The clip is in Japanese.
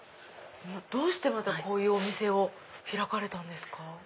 どうしてまたこういうお店を開かれたんですか？